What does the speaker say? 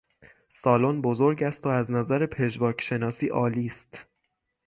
سالن بزرگ است و از نظر پژواک شناسی عالی است.